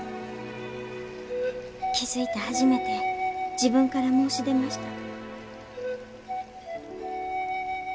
気付いて初めて自分から申し出ました。